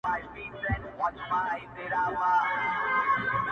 • نه یې زده کړل له تاریخ څخه پندونه -